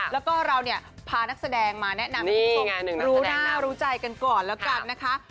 แล้วก็เราเนี่ยพานักแสดงมาแนะนำให้คุณผู้ชมรู้หน้ารู้ใจกันก่อนแล้วกันนะคะ